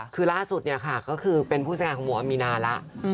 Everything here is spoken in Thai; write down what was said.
คือรหัสสุดเป็นผู้จัดงานของโมอมีนาแล้ว